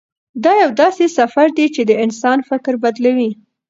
دا یو داسې سفر دی چې د انسان فکر بدلوي.